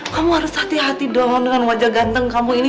kamu harus hati hati doang dengan wajah ganteng kamu ini